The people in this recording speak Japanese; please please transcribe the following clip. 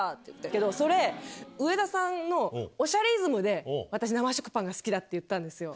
けど、それ、上田さんのおしゃれイズムで、私、生食パンが好きだって言ったんですよ。